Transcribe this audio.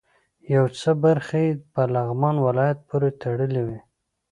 یو څه برخې یې په لغمان ولایت پورې تړلې وې.